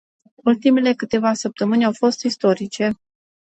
Ultimele câteva săptămâni au fost istorice.